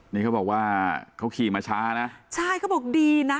นี้ว่าเขาขัยมาช้าใช่เขาบอกดีนะ